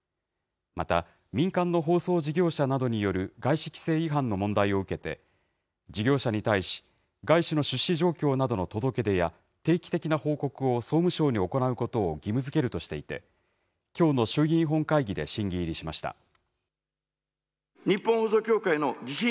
また、民間の放送事業者などによる外資規制違反の問題を受けて、事業者に対し、外資の出資状況などの届け出や、定期的な報告を総務省に行うことを義務づけるとしていて、きょうの衆議院本会議で審議入りしました。